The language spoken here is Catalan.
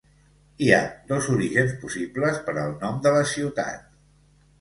Hi ha dos orígens possibles per al nom de la ciutat.